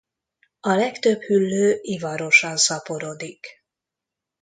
A legtöbb hüllő ivarosan szaporodik.